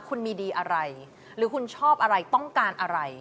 คุณมีดีอะไรหรือคุณชอบอะไรต้องการอะไร